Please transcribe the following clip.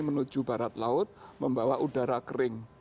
menuju barat laut membawa udara kering